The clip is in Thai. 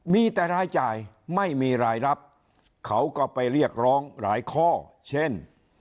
มีแต่รายจ่ายไม่มีรายรับเขาก็ไปเรียกร้องหลายข้อเช่น